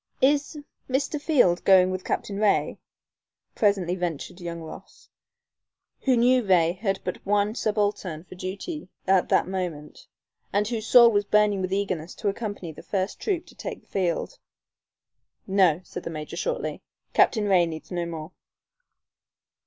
"Is Mr. Field going with Captain Ray?" presently ventured young Ross, who knew Ray had but one subaltern for duty at the moment, and whose soul was burning with eagerness to accompany the first troop to take the field. "No," said the major, shortly. "Captain Ray needs no more."